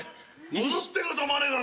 戻ってくると思わねえから。